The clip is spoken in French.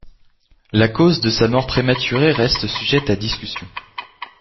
La cause de sa mort prématurée reste sujette à discussion.